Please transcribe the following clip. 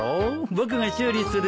僕が修理するよ。